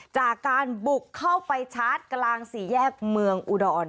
จากการบุกเข้าไปชาร์จกลางสี่แยกเมืองอุดร